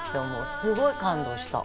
すごい感動した。